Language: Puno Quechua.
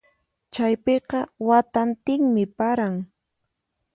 Chaypiqa watantinmi paran.